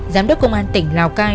giám đốc công an tỉnh lào cai